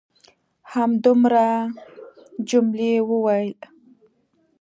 همدومره؟ جميلې وويل:.